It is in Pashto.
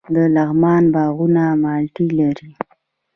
د لغمان باغونه مالټې لري.